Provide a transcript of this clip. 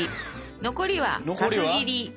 残りは角切り。